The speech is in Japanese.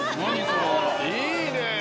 いいねぇ。